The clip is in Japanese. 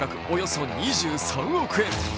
およそ２３億円。